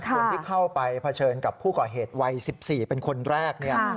คนที่เข้าไปเผชิญกับผู้ก่อเหตุวัย๑๔เป็นคนแรกเนี่ย